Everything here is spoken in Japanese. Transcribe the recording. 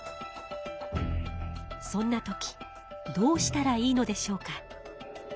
そんな時どうしたらいいのでしょうか？